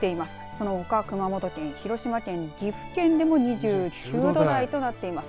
そのほか熊本県、広島県岐阜県でも２９度台となっています。